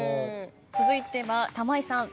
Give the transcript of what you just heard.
続いては玉井さん。